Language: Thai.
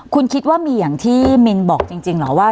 คุณคิดว่ามีอย่างที่มินบอกจริงเหรอว่า